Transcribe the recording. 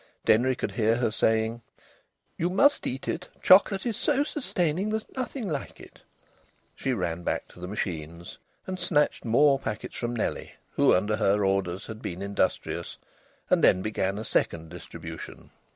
Denry could hear her saying: "You must eat it. Chocolate is so sustaining. There's nothing like it." She ran back to the machines, and snatched more packets from Nellie, who under her orders had been industrious; and then began a second distribution.